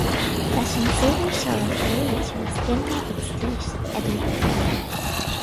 Leis an saothar seo léirítear scileanna agus fís Eddie Delaney